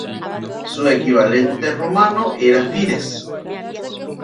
Su equivalente romano era Fides.